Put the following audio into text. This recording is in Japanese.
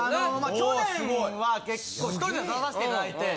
去年は結構１人で出させていただいて。